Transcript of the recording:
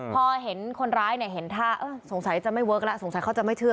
พอเห็นคนร้ายเนี่ยเห็นท่าสงสัยจะไม่เวิร์คแล้วสงสัยเขาจะไม่เชื่อ